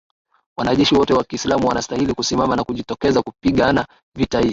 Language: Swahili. wanajeshi wote wa kiislamu wanastahili kusimama na kujitokeza kupigana vita hii